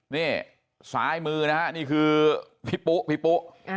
นี่ซ้ายมือนะฮะนี่คือพี่ปุ๊พี่ปุ๊